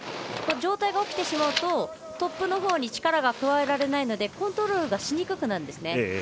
上体が起きてしまうとトップのほうに力が加えられないのでコントロールがしにくくなります。